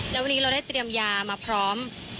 แล้ววันนี้เราได้เตรียมยามาพร้อม